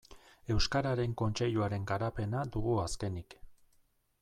Euskararen Kontseiluaren garapena dugu azkenik.